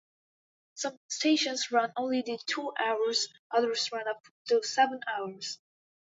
Some stations run only the two hours, others run up to seven hours.